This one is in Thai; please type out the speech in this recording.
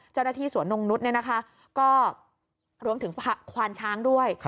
เจ้าหน้าที่สวนนงนุษย์ก็รวมถึงควานช้างด้วย